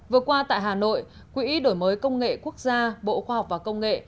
vừa qua tại hà nội quỹ đổi mới công nghệ quốc gia bộ khoa học và công nghệ